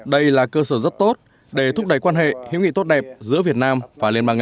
đây là cơ sở rất tốt để thúc đẩy quan hệ hữu nghị tốt đẹp giữa việt nam và liên bang nga